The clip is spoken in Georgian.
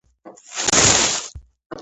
საქართველო საუკეთესო ქვეყანაა